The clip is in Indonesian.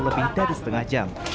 lebih dari setengah jam